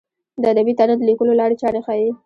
د ادبي تاریخ د لیکلو لارې چارې ښيي.